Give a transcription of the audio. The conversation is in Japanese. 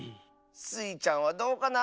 スイちゃんはどうかな？